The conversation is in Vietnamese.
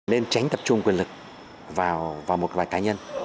nên tránh tập trung quyền lực vào một loài cá nhân